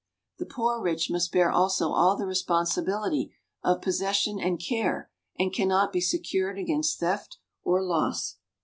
The poor rich must bear also all the responsibility of possession and care, and cannot be secured against theft or loss.